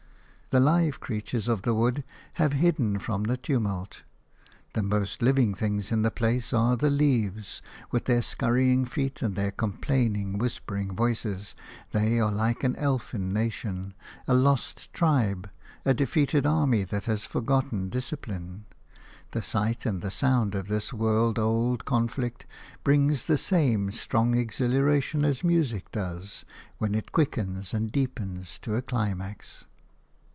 The live creatures of the wood have hidden from the tumult. The most living things in the place are the leaves; with their scurrying feet and their complaining, whispering voices, they are like an elfin nation, a lost tribe, a defeated army that has forgotten discipline. The sight and the sound of this world old conflict brings the same strong exhilaration as music does, when it quickens and deepens to a climax.